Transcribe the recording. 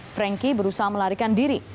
frankie berusaha melarikan diri